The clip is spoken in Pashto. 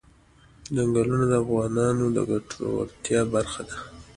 ځنګلونه د افغانانو د ګټورتیا برخه ده.